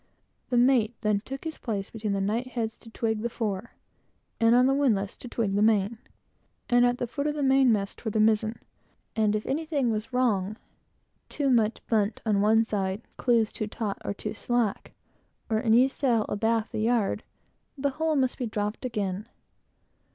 The mate then took his place between the knightheads to "twig" the fore, on the windlass to twig the main, and at the foot of the mainmast, for the mizen; and if anything was wrong, too much bunt on one side, clews too taut or too slack, or any sail abaft the yard, the whole must be dropped again.